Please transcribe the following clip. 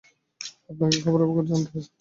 আপনাকে খবরাখবর জানাতে থাকব।